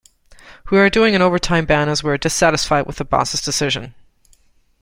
We are doing an overtime ban as we are dissatisfied with the boss' decisions.